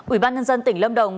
ủy ban nhân dân tỉnh lâm đồng